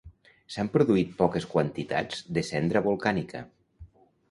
S'han produït poques quantitats de cendra volcànica.